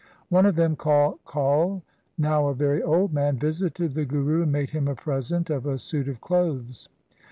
One of them called Kaul, now a very old man, visited the Guru and made him a present of a suit of clothes.